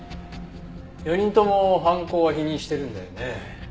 ４人とも犯行は否認してるんだよね。